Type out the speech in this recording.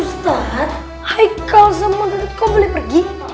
ustadz haikal sama gergit kok boleh pergi